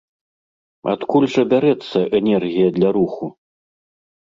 Адкуль жа бярэцца энергія для руху?